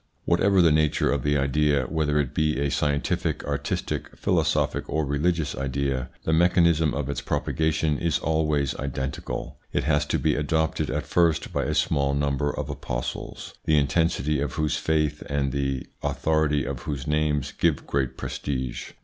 Whatever the nature of the idea, whether it be a scientific, artistic, philosophic, or religious idea, the mechanism of its propagation is always identical. It has to be adopted at first by a small number of apostles, the intensity of whose faith and the authority of whose names give great prestige.